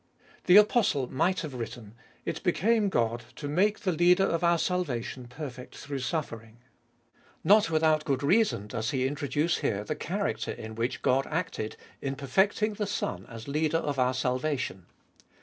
The apostle might have written :" It became God to make the Leader of our salvation perfect through suffering." Not without good reason does he introduce here the character in which God acted in perfecting the Son as Leader of our salva tion.